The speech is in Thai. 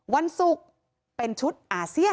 วันศุกร์เป็นชุดอาเซียน